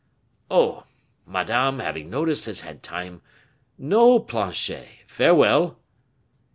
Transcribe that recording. "Oh! madame, having notice, has had time " "No, Planchet; farewell!"